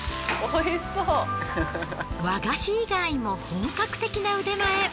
和菓子以外も本格的な腕前。